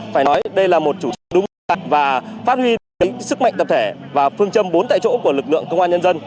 phải nói đây là một chủ trương đúng đắn và phát huy sức mạnh tập thể và phương châm bốn tại chỗ của lực lượng công an nhân dân